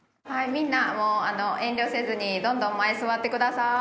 みんな遠慮せずにどんどん前座ってくださーい！